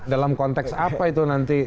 dalam konteks apa itu nanti